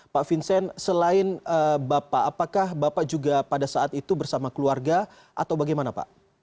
pak vincent selain bapak apakah bapak juga pada saat itu bersama keluarga atau bagaimana pak